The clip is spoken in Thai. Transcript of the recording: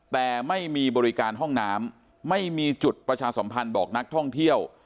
แต่ไม่มีบริการห้องน้ำไม่มีจุดประชาสัมพันธ์บอกนักท่องเที่ยว